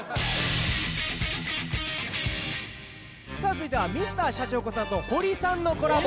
続いてはＭｒ．シャチホコさんとホリさんのコラボ